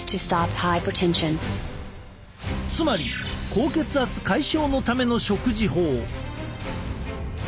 つまり高血圧解消のための食事法。